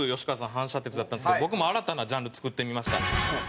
反射鉄だったんですけど僕も新たなジャンル作ってみました。